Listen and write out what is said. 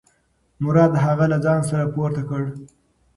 مراد هغه له ځانه سره پورته کړ.